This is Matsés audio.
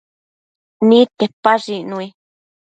Nidquepash icnui